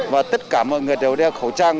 và tất cả mọi người đều đeo khẩu trang